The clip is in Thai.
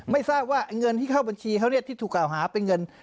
ไม่ทราบว่าเงินที่เข้าบัญชีเขาที่ถูกกล่าวหาเป็นเงิน